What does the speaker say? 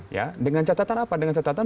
ya dengan catatan apa dengan catatan